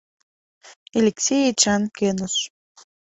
Элексей Эчан кӧныш.